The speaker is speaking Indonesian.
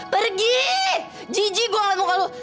pergi jijik gue ngeliat muka lo